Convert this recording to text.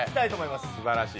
すばらしい。